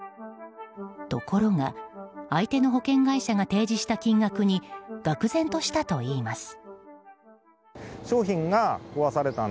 ところが相手の保険会社が提示した金額に愕然としたといいます。